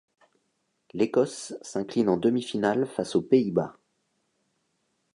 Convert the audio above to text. L'Écosse s'incline en demi-finale face aux Pays-Bas.